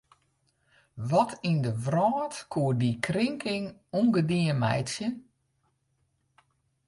Wat yn de wrâld koe dy krinking ûngedien meitsje?